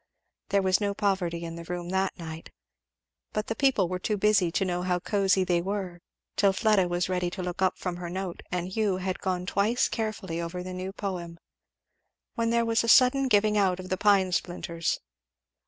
There was no poverty in the room that night. But the people were too busy to know how cosy they were; till Fleda was ready to look up from her note and Hugh had gone twice carefully over the new poem, when there was a sudden giving out of the pine splinters.